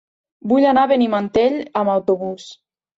Vull anar a Benimantell amb autobús.